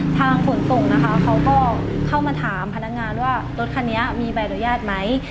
ขนส่งนะคะเขาก็เข้ามาถามพนักงานว่ารถคันนี้มีใบอนุญาตไหม